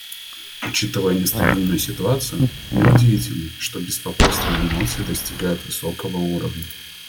Учитывая нестабильность ситуации, неудивительно, что беспокойство и эмоции достигают высокого уровня.